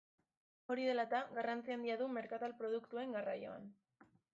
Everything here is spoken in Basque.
Hori dela eta, garrantzi handia du merkatal produktuen garraioan.